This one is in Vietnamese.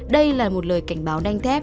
đây là một lời cảnh báo đanh thép